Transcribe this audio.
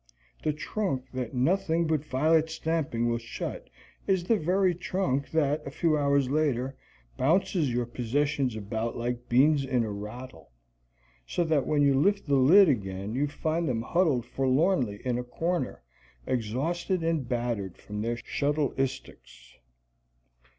The trunk that nothing but violent stamping will shut is the very trunk that, a few hours later, bounces your possessions about like beans in a rattle; so that when you lift the lid again you find them huddled forlornly in a corner, exhausted and battered from their shuttle istics.